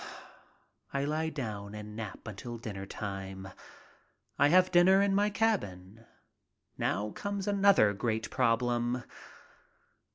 I lie down and nap until dinner time. I have dinner in my cabin. Now comes another great problem.